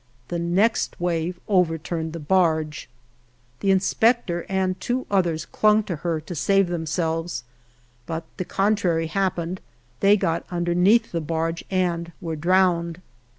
The next wave overturned the barge. The inspector and two others clung to her to save themselves, but the contrary happened ; they got underneath the barge and were drowned.